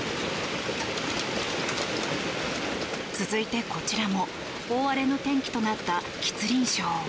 続いてこちらも大荒れの天気となった吉林省。